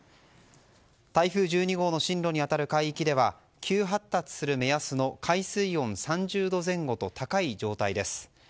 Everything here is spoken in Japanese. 台風１２号の進路に当たる海域では急発達する目安の海水温３０度前後と高い状態です。